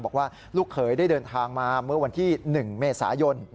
บอกว่าลูกเขยได้เดินทางมาเมื่อวันที่๑เมษายน